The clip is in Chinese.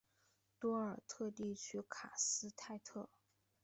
多尔特地区卡斯泰特。